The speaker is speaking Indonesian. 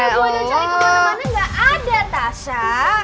gue udah cari kemana mana gak ada tas ya